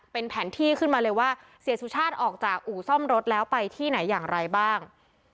เป็นแผนที่ขึ้นมาเลยว่าเสียสุชาติออกจากอู่ซ่อมรถแล้วไปที่ไหนอย่างไรบ้าง